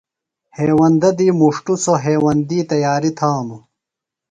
ہیوندہ دی مُݜٹوۡ سوۡ ہیوندی تیاریۡ تھانوۡ۔